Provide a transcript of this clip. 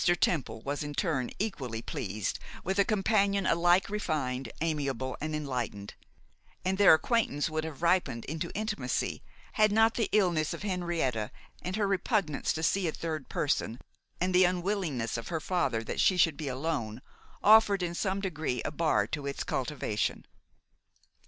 Temple was in turn equally pleased with a companion alike refined, amiable, and enlightened; and their acquaintance would have ripened into intimacy, had not the illness of Henrietta and her repugnance to see a third person, and the unwillingness of her father that she should be alone, offered in some degree a bar to its cultivation.